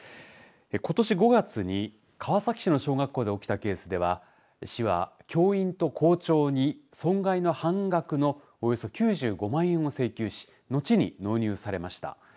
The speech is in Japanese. ことし５月に川崎市の小学校で起きたケースでは市は教員と校長に損害の半額のおよそ９５万円を請求し後に納入されました。